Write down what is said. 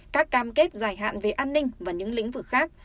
các cam kết dài hạn về an ninh và những lĩnh vực khác